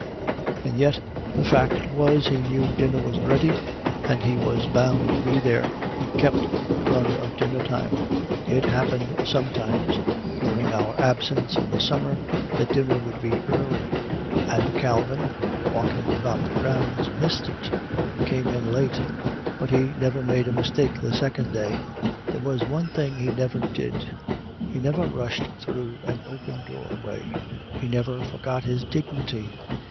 And yet, the fact was, he knew dinner was ready, and he was bound to be there. He kept the run of dinnertime. It happened sometimes, during our absence in the summer, that dinner would be early, and Calvin, walking about the grounds, missed it and came in late. But he never made a mistake the second day. There was one thing he never did, he never rushed through an open doorway. He never forgot his dignity.